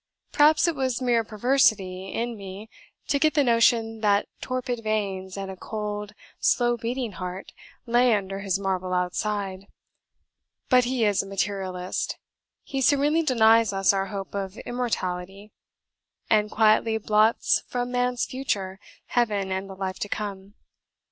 Perhaps it was mere perversity in me to get the notion that torpid veins, and a cold, slow beating heart, lay under his marble outside. But he is a materialist: he serenely denies us our hope of immortality, and quietly blots from man's future Heaven and the Life to come.